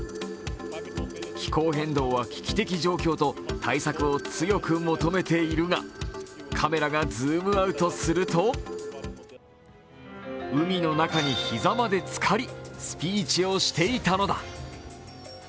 気候変動は危機的状況と対策を強く求めているが、カメラがズームアウトすると海の中に膝までつかりスピーチをしていたのだ。